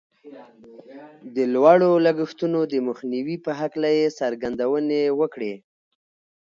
د لوړو لګښتونو د مخنيوي په هکله يې څرګندونې وکړې.